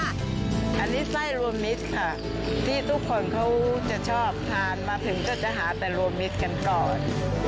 อันนี้ไส้รัวมิตคะที่ทุกคนเค้าจะชอบกินมาถึงจะหาแต่รัวมิตกันก่อน